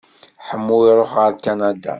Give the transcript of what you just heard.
Ḥemmu iruḥ ɣer Kanada.